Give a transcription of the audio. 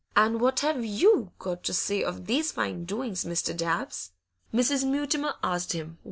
'And what have you got to say of these fine doings, Mr. Dabbs?' Mrs. Mutimer asked him.